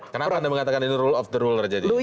kenapa anda mengatakan ini rule of the ruler